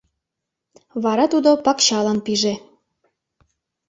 Вара тудо пакчалан пиже.